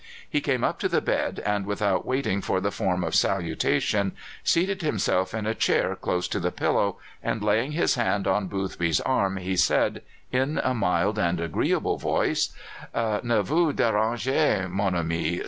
He came up to the bed, and without waiting for the form of salutation, seated himself in a chair close to the pillow, and laying his hand on Boothby's arm, he said, in a mild and agreeable voice: "Ne vous dérangez, mon ami!